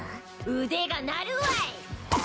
腕が鳴るわい！